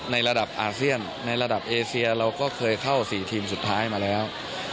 ในระดับอาเซียนในระดับเอเซียเราก็เคยเข้า๔ทีมสุดท้ายมาแล้ว